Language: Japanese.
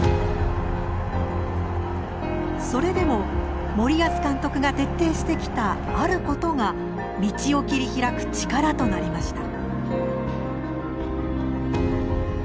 それでも森保監督が徹底してきたあることが道を切り開く力となりました。